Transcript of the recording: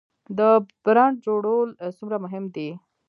د برنډ جوړول څومره مهم دي؟